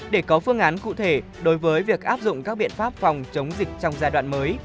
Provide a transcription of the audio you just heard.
để có phương án cụ thể đối với việc áp dụng các biện pháp phòng chống dịch trong giai đoạn mới